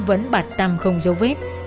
vẫn bạt tăm không dấu vết